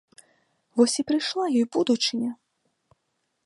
Вось і прыйшла ёй будучыня!